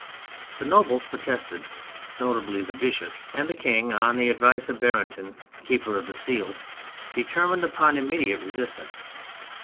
The Nobles protested (notably the Bishops), and the King, on the advice of Barentin, keeper of the Seals, determined upon immediate 90 THE FRENCH REVOLUTION resistance.